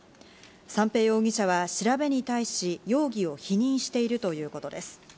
三瓶容疑者は調べに対し容疑を否認しているということです。